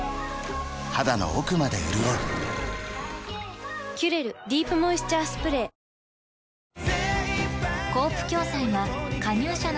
肌の奥まで潤う「キュレルディープモイスチャースプレー」貴様！